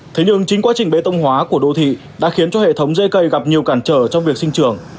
thế nhưng chính quá trình bê tông hóa của đô thị đã khiến cho hệ thống dê cây gặp nhiều cản trở trong việc sinh trường